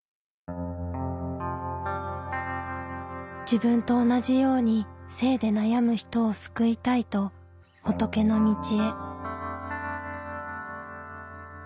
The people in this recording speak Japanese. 「自分と同じように性で悩む人を救いたい」と仏の道へ。